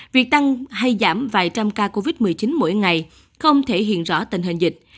việc tăng hay giảm vài trăm ca covid một mươi chín mỗi ngày không thể hiện rõ tình hình dịch